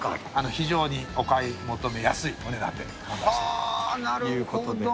非常にお買い求めやすいお値段でということで。